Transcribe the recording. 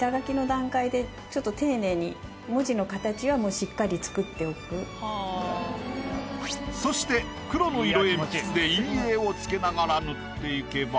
文字とかはそして黒の色鉛筆で陰影をつけながら塗っていけば。